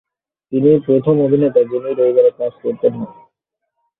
তিনিই প্রথম অভিনেতা যিনি রবিবারে কাজ করতেন না।